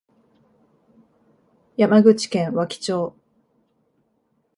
山口県和木町